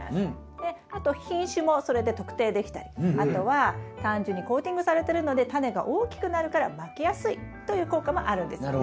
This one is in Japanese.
であと品種もそれで特定できたりあとは単純にコーティングされてるのでタネが大きくなるからまきやすいという効果もあるんですよね。